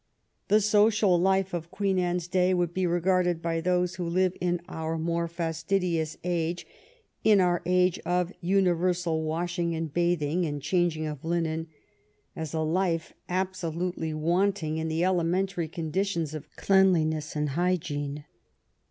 The social life of Queen Anne's day would be regarded by those who live in our more fastidious age, in our age of universal washing and bathing and changing of linen, as a life absolutely wanting in the elementary conditions of cleanliness and hygiene.